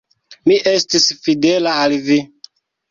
Mi estis fidela al vi!..